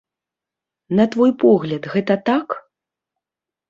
На твой погляд, гэта так?